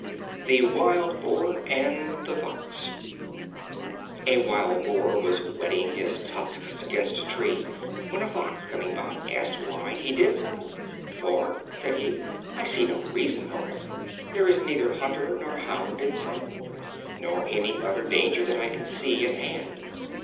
The Wild Boar and the Fox. A Wild Boar was whetting his tusks against a tree, when a Fox coming by, asked why he did so; "for," said he, "I see no reason for it; there is neither hunter nor hound in sight, nor any other danger that I can see, at hand."